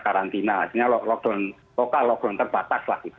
artinya lockdown lokal lockdown terbatas lah gitu